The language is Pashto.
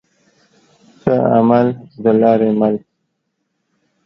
ښه عمل دلاري مل